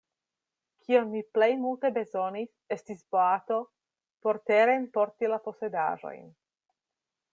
Kion mi plej multe bezonis, estis boato por terenporti la posedaĵon.